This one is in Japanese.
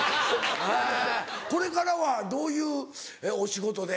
これからはどういうお仕事で。